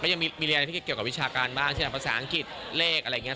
ยังมีเรียนอะไรที่เกี่ยวกับวิชาการบ้างเช่นภาษาอังกฤษเลขอะไรอย่างนี้